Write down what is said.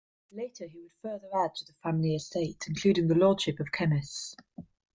Later he would further add to the family estate, including the Lordship of Kemys.